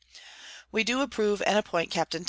We do approve and appoint Capt._ Tho.